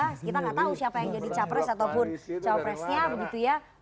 kita nggak tahu siapa yang jadi capres ataupun cawapresnya begitu ya